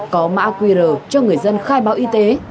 có mã qr cho người dân khai báo y tế